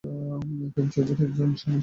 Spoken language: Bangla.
প্রেম চৌধুরী একজন স্ব-শিক্ষিত শিল্পী।